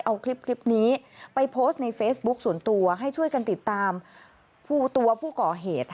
เอาคลิปนี้ไปโพสต์ในเฟซบุ๊คส่วนตัวให้ช่วยกันติดตามตัวผู้ก่อเหตุ